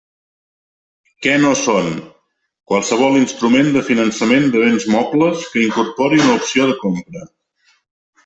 Què no són: qualsevol instrument de finançament de béns mobles que incorpori una opció de compra.